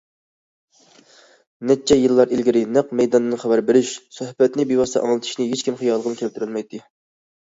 نەچچە يىللار ئىلگىرى نەق مەيداندىن خەۋەر بېرىش، سۆھبەتنى بىۋاسىتە ئاڭلىتىشنى ھېچكىم خىيالىغىمۇ كەلتۈرەلمەيتتى.